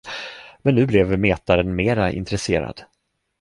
Men nu blev metaren mera intresserad.